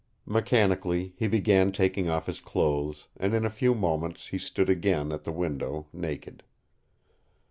Mechanically he began taking off his clothes, and in a few moments he stood again at the window, naked.